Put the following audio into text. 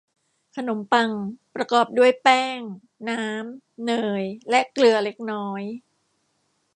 ขนมปัง ประกอบด้วยแป้ง น้ำ เนย และเกลือเล็กน้อย